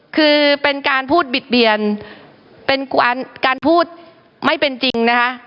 คือเป็นการพูดบิดเบียนเป็นการพูดไม่เป็นจริงนะคะ